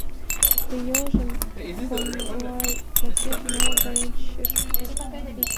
Тый йолжым коҥлайымакет нал да ончыч ошкыл.